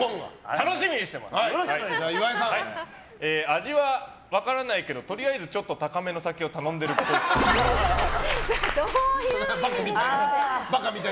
味は分からないけどとりあえずちょっと高めの酒を頼んでるっぽい。